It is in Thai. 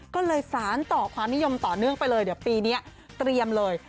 ก็เลยสารต่อความนิยมต่อเนื่องไปเลยเดี๋ยวปีนี้เตรียมเลย